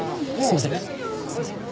すいません。